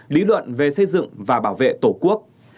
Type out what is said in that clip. lý luận về xây dựng và bảo vệ tổ quốc